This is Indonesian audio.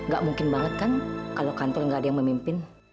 gak mungkin banget kan kalau kantor nggak ada yang memimpin